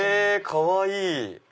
かわいい！